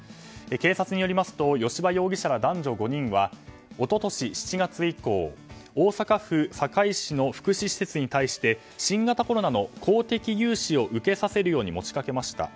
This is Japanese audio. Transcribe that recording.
警察によりますと吉羽容疑者ら男女５人は一昨年７月以降大阪府堺市の福祉施設に対して新型コロナの公的融資を受けさせるように持ちかけました。